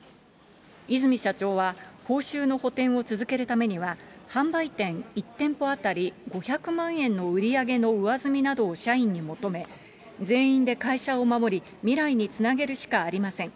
和泉社長は、報酬の補填を続けるためには、販売店１店舗当たり５００万円の売り上げの上積みなどを社員に求め、全員で会社を守り、未来につなげるしかありません。